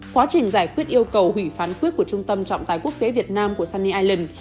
quá trình giải quyết yêu cầu hủy phán quyết của trung tâm trọng tài quốc tế việt nam của sunny ireland